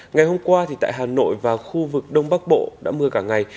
ngày hôm qua tại hà nội và khu vực đông bắc bộ đã mưa cả ngày